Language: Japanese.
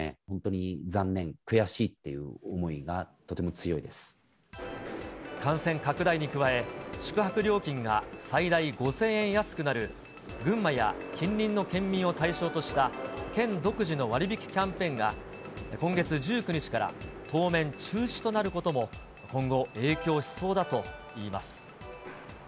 本当に残念、悔しいっていう思い感染拡大に加え、宿泊料金が最大５０００円安くなる、群馬や近隣の県民を対象とした、県独自の割引キャンペーンが、今月１９日から当面、中止となることも、今後、影響しそうだといいます。